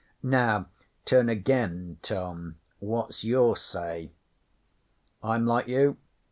Now turnagain, Tom. What's your say?' 'I'm like you.